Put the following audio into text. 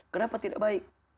kenapa tidak baik